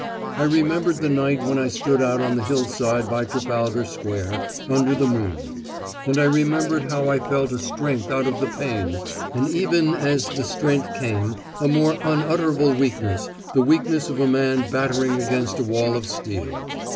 I remembered the night when I stood out on the hillside by Trafalgar Square, under the moon. And I remembered how I had felt a strength out of the pain, and even as the strength came a more unutterable weakness, the weakness of a man battering against a wall of steel.